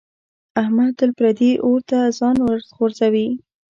احمد تل پردي اور ته ځان ورغورځوي.